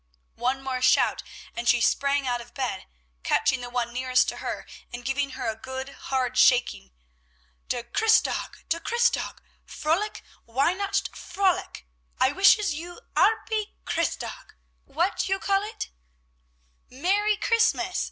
One more shout, and she sprang out of bed, catching the one nearest to her, and giving her a good, hard shaking. "Der Christtag! Der Christtag! Fröhlich Weinacht! Fröhlich; I wishes you 'arpy Christtag! What you call it?" "Merry Christmas!"